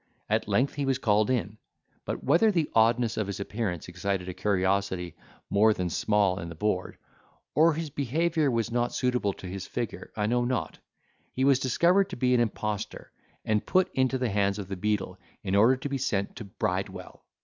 At length he was called in; but whether the oddness of his appearance excited a curiosity more than small in the board, or his behaviour was not suitable to his figure, I know not, he was discovered to be an imposter, and put into the hands of the beadle in order to be sent to Bridewell.